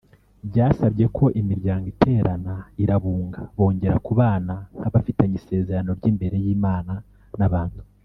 Byasabye ko imiryango iterana irabunga bongera kubana nk’abafitanye isezerano ry’imbere y’Imana n’abantu